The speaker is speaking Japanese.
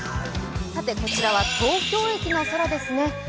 こちらは東京駅の空ですね。